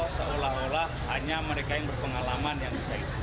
seolah olah hanya mereka yang berpengalaman yang bisa itu